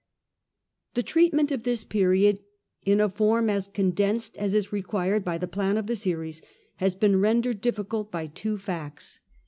The treatment of this period, in a form as con densed as is required by the plan of the series, has been rendered difficult by two facts.